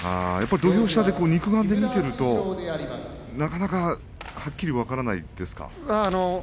土俵下で肉眼で見ているとなかなか、はっきり分からないですか。